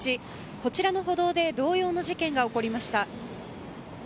こちらの歩道で同様の事件が起こりました。